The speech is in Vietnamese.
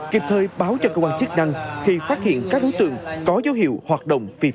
kịp thời báo cho cơ quan chức năng khi phát hiện các đối tượng có dấu hiệu hoạt động phi phạm